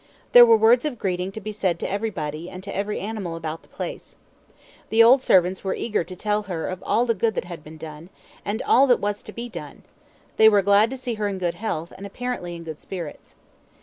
There were words of greeting to be said to everybody and to every animal about the place. The old servants were eager to tell her of all that had been done, and all that was to be done; they were glad to see her in good health, and apparently in good spirits.